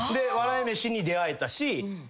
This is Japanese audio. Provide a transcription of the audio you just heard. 笑い飯に出会えたし。